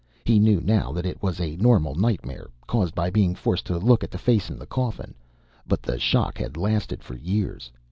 He knew now that it was a normal nightmare, caused by being forced to look at the face in the coffin, but the shock had lasted for years.